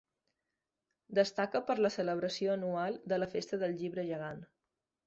Destaca per la celebració anual de la Festa del llibre gegant.